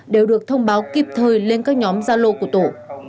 đều được thông báo kịp thời lên các nhóm gia lô của tổ